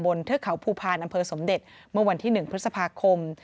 เทือกเขาภูพาลอำเภอสมเด็จเมื่อวันที่๑พฤษภาคม